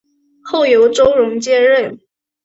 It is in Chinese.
后由周荣接任。